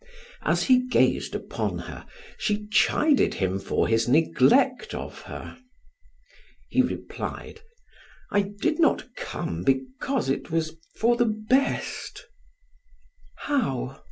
As he gazed upon her she chided him for his neglect of her. He replied: "I did not come because it was for the best " "How?